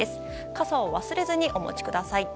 傘を忘れずお持ちください。